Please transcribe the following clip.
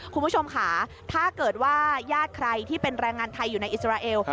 คุณผู้ชมค่ะถ้าเกิดว่าญาติใครที่เป็นแรงงานไทยอยู่ในอิสราเอล